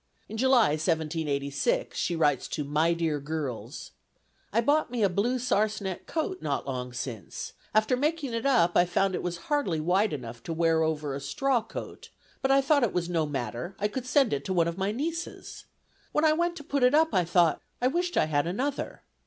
In July, 1786, she writes to "my dear girls": "I bought me a blue sarcenet coat not long since; after making it up I found it was hardly wide enough to wear over a straw coat, but I thought it was no matter; I could send it to one of my nieces. When I went to put it up, I thought, I wished I had another.